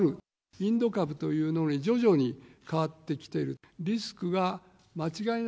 インド株というのに徐々に変わってきている。